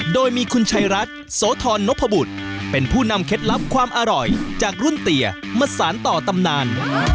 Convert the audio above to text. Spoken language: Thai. โดยมีคุณชัยรัฐโสธรนพบุตรเป็นผู้นำเคล็ดลับความอร่อยจากรุ่นเตียมาสารต่อตำนาน